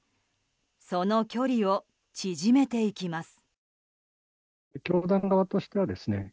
その距離を縮めていきます。